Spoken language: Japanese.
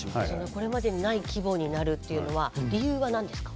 これまでにない規模になるっていうのは理由は何ですか？